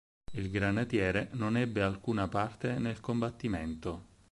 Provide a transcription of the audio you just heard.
Il "Granatiere" non ebbe alcuna parte nel combattimento.